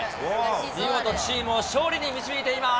見事、チームを勝利に導いています。